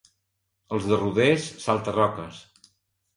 Els de Rodés, salta-roques.